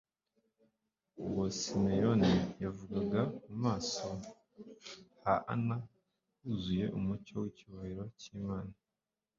Ubwo Simeyoni yavugaga, mu maso ha Ana huzuye umucyo w'icyubahiro cy'Imana,